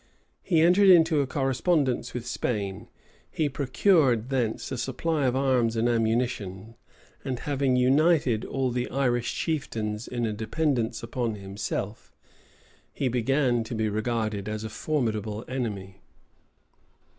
He entered into a correspondence with Spain; he procured thence a supply of arms and ammunition; and having united all the Irish chieftains in a dependence upon himself, he began to be regarded as a formidable enemy.